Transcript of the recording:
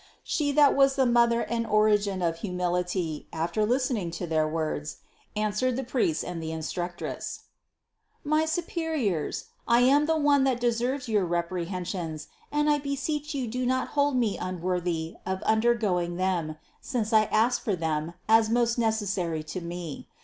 714. She that was the Mother and origin of humility, after listening to their words, answered the priest and the instructress: "My superiors, I am the one that de serves your reprehensions and I beseech you do not hold me unworthy of undergoing them, since I ask for them as most necessary to me.